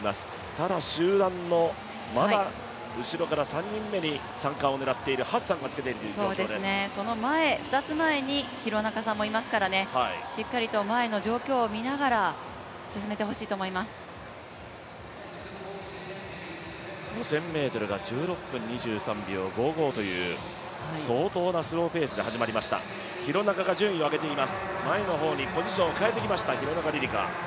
ただ集団の後ろから３人目に３冠を狙っているハッサンがいます２つ前に廣中さんもいますからね、しっかりと前の状況を見ながら５０００ｍが１６分２３秒５５という相当なスローぺースで始まりました、廣中が前の方にポジションを変えてきました廣中璃梨佳。